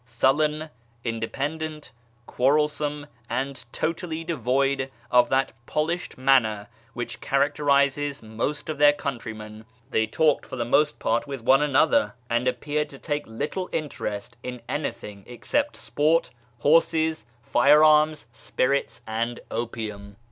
Sullen, independent, quarrelsome, and totally devoid of that polished manner which characterises most of their countrymen, they talked for the most part with one another, and appeared to take little interest in anything except sport, horses, fire arms, spirits, and opium.